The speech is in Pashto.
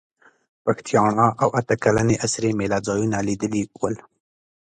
پښتیاڼا او اته کلنې اسرې مېله ځایونه لیدلي ول.